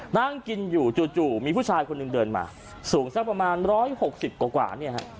นั่งกินอยู่จู่มีผู้ชายคนหนึ่งเดินมาสูงสักประมาณ๑๖๐กว่าเนี่ยฮะ